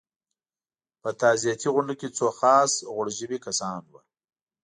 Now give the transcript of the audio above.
په تعزیتي غونډو کې څو خاص غوړ ژبي کسان وو.